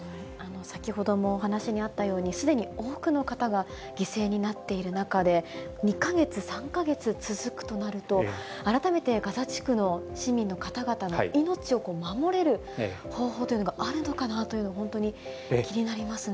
先ほどもお話にあったように、すでに多くの方が犠牲になっている中で、２か月、３か月続くとなると、改めてガザ地区の市民の方々の命を守れる方法というのがあるのかなというのを、本当に気になりますね。